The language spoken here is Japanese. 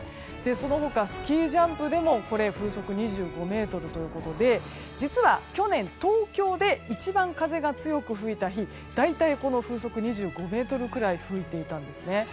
その他、スキージャンプでも風速２５メートルということで実は、去年東京で一番風が強く吹いた日大体、風速２５メートルぐらい吹いていたんです。